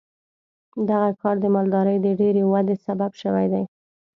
دغه کار د مالدارۍ د ډېرې ودې سبب شوی دی.